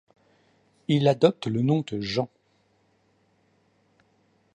Il y adopte le nom de ‘Jean’.